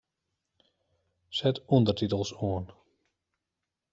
Set ûndertitels oan.